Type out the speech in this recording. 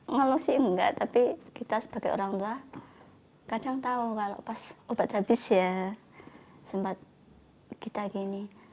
ngeluh sih enggak tapi kita sebagai orang tua kadang tahu kalau pas obat habis ya sempat kita gini